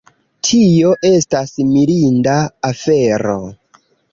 Tio estas mirinda afero